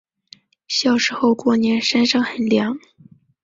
小时候过年山上很凉